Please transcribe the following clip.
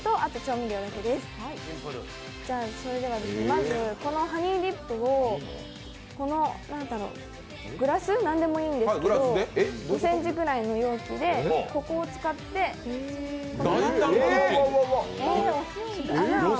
まずこのハニーディップをグラス、何でもいいんですけど５ｃｍぐらいの容器で、ここを使って穴を。